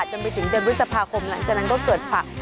จนไปถึงเดือนพฤษภาคมหลังจากนั้นก็เกิดผัก